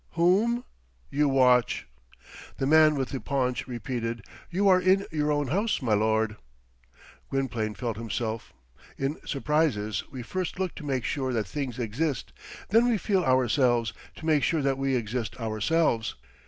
Whom? You watch. The man with the paunch repeated, "You are in your own house, my lord." Gwynplaine felt himself. In surprises, we first look to make sure that things exist; then we feel ourselves, to make sure that we exist ourselves.